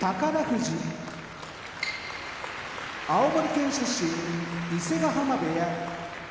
富士青森県出身伊勢ヶ濱部屋